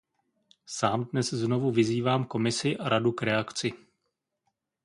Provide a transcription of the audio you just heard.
Sám dnes znovu vyzývám Komisi a Radu k reakci.